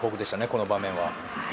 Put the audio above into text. この場面は。